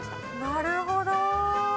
なるほど。